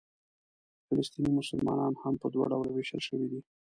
فلسطیني مسلمانان هم په دوه ډوله وېشل شوي دي.